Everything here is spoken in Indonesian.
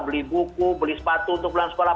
beli buku beli sepatu untuk pulang sekolah